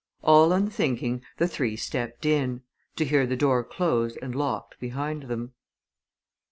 All unthinking, the three stepped in to hear the door closed and locked behind them.